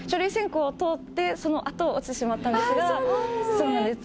そうなんですね。